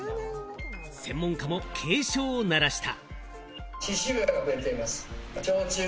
専門家も警鐘を鳴らした。